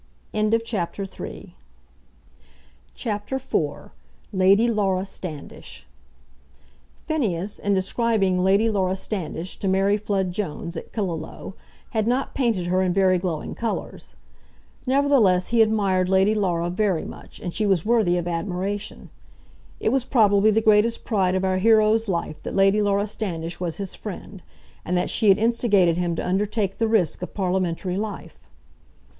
CHAPTER IV Lady Laura Standish Phineas, in describing Lady Laura Standish to Mary Flood Jones at Killaloe, had not painted her in very glowing colours. Nevertheless he admired Lady Laura very much, and she was worthy of admiration. It was probably the greatest pride of our hero's life that Lady Laura Standish was his friend, and that she had instigated him to undertake the risk of parliamentary life.